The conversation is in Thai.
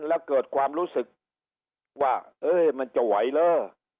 และเกิดความรู้สึกว่าเอ๊ะมันจะไหวแล้ว